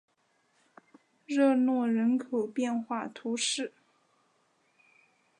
热诺人口变化图示